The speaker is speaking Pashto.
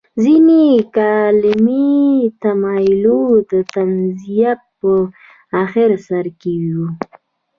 ځینې کلامي تمایلونه د تنزیه په اخر سر کې وو.